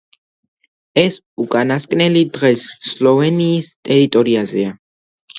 ეს უკანასკნელი დღეს სლოვენიის ტერიტორიაზეა.